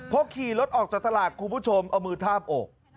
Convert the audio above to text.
พอขี่รถออกจากตลาดคุณผู้ชมเอามือทาบอก